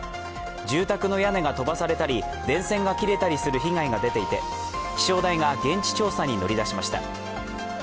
住宅の屋根が飛ばされたり、電線が切れたりする被害が出ていて、気象台が現地調査に乗り出しました。